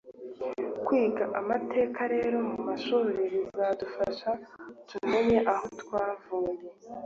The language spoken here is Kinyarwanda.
Kwiga amateka rero mu mashuri bizadufasha tumenye aho twavuye